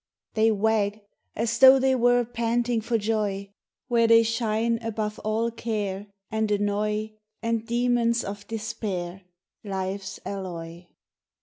They wag as though they were Panting for joy Where they shine, above all care, And annoy, And demons of despair— Life's alloy.